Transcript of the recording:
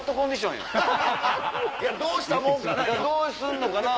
どうしたもんかな。